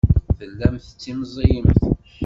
Tellamt tettimẓiyemt.